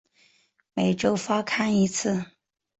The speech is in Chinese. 每周发刊一次。